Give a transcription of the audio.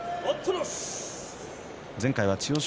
前回は千代翔